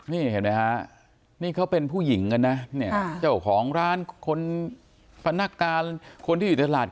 นี่เห็นไหมฮะนี่เขาเป็นผู้หญิงกันนะเนี่ยเจ้าของร้านคนพนักงานคนที่อยู่ตลาด